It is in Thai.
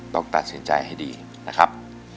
ต้องตัดสินใจให้ดีนะครับ